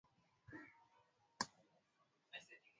Faida ya viazi lishe ni kuongeza thamani